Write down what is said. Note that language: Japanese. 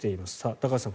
高橋さん